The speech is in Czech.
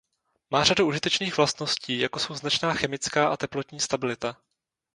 Má řadu užitečných vlastností jako jsou značná chemická a teplotní stabilita.